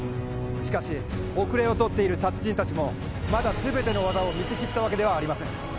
しかし、後れを取っている達人たちもまだすべての技を見せきったわけではありません。